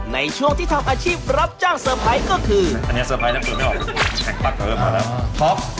ในช่วงที่ทำอาชีพรับจ้างเซอร์ไพก็คือ